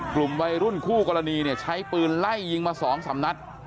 กลุ่มวัยรุ่นคู่กรณีเนี่ยใช้ปืนไล่ยิงมา๒๓นัด